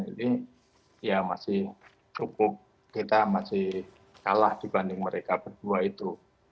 ini ya masih cukup kita masih kalah dibanding mereka berdua itu